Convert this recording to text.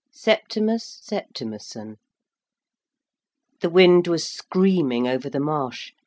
V SEPTIMUS SEPTIMUSSON The wind was screaming over the marsh.